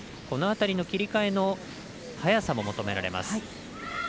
この辺りの切り替えの早さも求められます。